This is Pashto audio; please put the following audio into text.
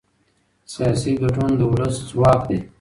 سیاسي ګډون د ولس ځواک دی